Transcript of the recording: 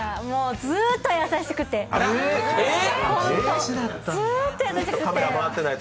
もうずっと優しくて。